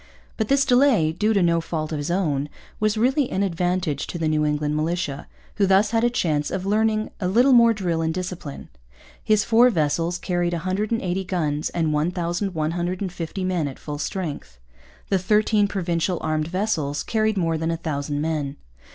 But this delay, due to no fault of his own, was really an advantage to the New England militia, who thus had a chance of learning a little more drill and discipline. His four vessels carried 180 guns and 1,150 men at full strength. The thirteen Provincial armed vessels carried more than 1,000 men.